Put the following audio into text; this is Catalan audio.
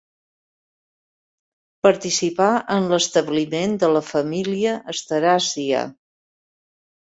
Participà en l'establiment de la família asteràcia.